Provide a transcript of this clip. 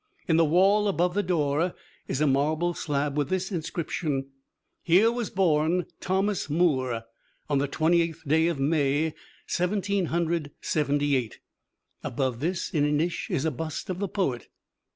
In the wall above the door is a marble slab with this inscription: "Here was born Thomas Moore, on the Twenty eighth day of May, Seventeen Hundred Seventy eight." Above this in a niche is a bust of the poet.